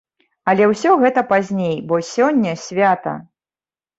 Але ўсё гэта пазней, бо сёння свята!